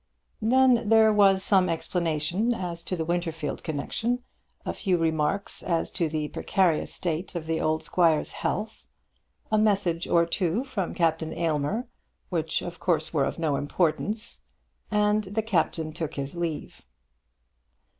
Then there was some explanation as to the Winterfield connection, a few remarks as to the precarious state of the old squire's health, a message or two from Captain Aylmer, which of course were of no importance, and the Captain took his leave.